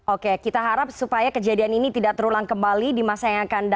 oke kita harap supaya kejadian ini tidak terulang kembali di masa yang akan datang dan pelaku juga bisa jerak